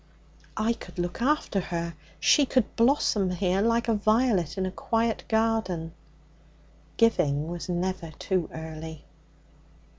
'I could look after her. She could blossom here like a violet in a quiet garden.' Giving was never too early.